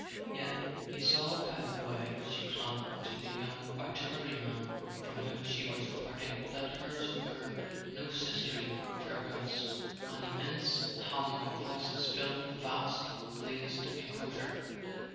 Yet he saw by the way she clung to the young artilleryman from whom she was parting that hers were no sisterly farewells. An immense hum of voices filled the vast glazed enclosure.